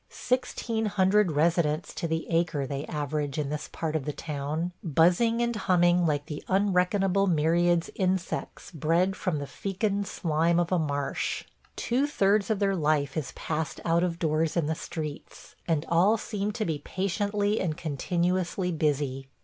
Sixteen hundred residents to the acre they average in this part of the town, buzzing and humming like the unreckonable myriads insects bred from the fecund slime of a marsh. Two thirds of their life is passed out of doors in the streets, and all seem to be patiently and continuously busy.